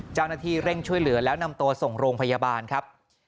เจ้าหน้าที่เร่งช่วยเหลือแล้วนำตัวส่งโรงพยาบาลครับ